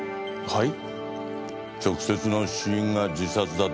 はい。